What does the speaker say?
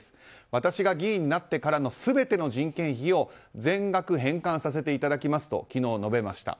私が議員になってからの全ての人件費を全額返還させていただきますと昨日、述べました。